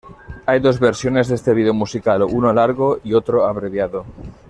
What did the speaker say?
Hay dos versiones de este vídeo musical, uno largo y otro abreviado.